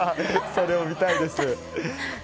それも見たいです。